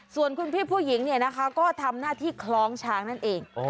ส่วนคุณพี่ผู้หญิงเนี่ยนะคะก็ทำหน้าที่คล้องช้างนั่นเอง